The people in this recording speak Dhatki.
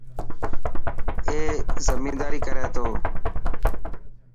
اي زميداري ڪري ٿو.